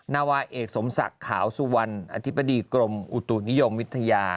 นาวาเอกสมศักดิ์ขาวสุวรรณอธิบดีกรมอุตุนิยมวิทยา